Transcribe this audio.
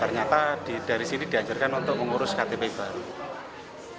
ternyata dari sini dianjurkan untuk mengurus ktp baru